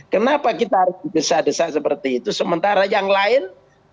kenapa kita harus didesak desak seperti itu sementara yang lain